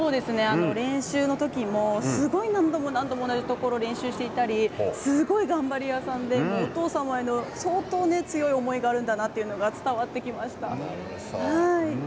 練習の時もすごい何度も何度も同じところを練習していたりすごい頑張り屋さんでお父様への相当、強い思いがあるんだなということが伝わってきました。